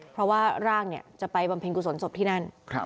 เพราะว่าร่างจะไปบำเพ็ญกุศลศพที่นั่น